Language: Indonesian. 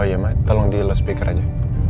oh iya ma tolong di let speaker aja